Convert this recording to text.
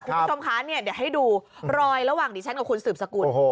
คุณผู้ชมคะเนี่ยเดี๋ยวให้ดูรอยระหว่างดิฉันกับคุณสืบสกุล